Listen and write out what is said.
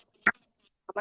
dari kehidupan saya